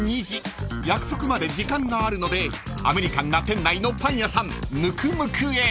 ［約束まで時間があるのでアメリカンな店内のパン屋さんｎｕｋｕｍｕｋｕへ］